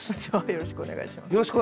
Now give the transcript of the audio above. よろしくお願いします。